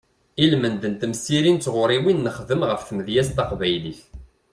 Ilmend n temsirin d tɣuriwin nexdem ɣef tmedyazt taqbaylit.